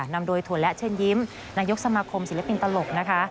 นำโดยถั่และเชิญยิ้มนายกสมาคมศิลปินตลกนะคะ